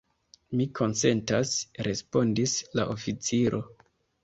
Mi konsentas, respondis la oficiro.